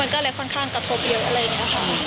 ก็เลยค่อนข้างกระทบเยอะอะไรอย่างนี้ค่ะ